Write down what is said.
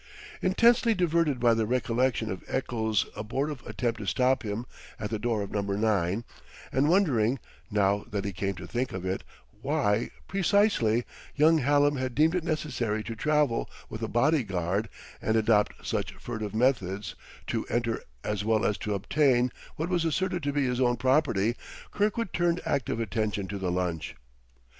Intensely diverted by the recollection of Eccles' abortive attempt to stop him at the door of Number 9, and wondering now that he came to think of it why, precisely, young Hallam had deemed it necessary to travel with a body guard and adopt such furtive methods to enter into as well as to obtain what was asserted to be his own property, Kirkwood turned active attention to the lunch.